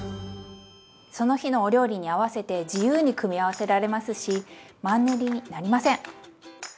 その日のお料理に合わせて自由に組み合わせられますしマンネリになりません！